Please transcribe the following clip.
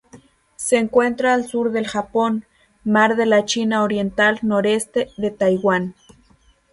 Se encuentra al sur del Japón, Mar de la China Oriental noreste de Taiwán.